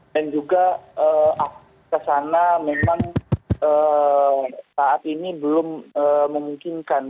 dan juga kesana memang saat ini belum memungkinkan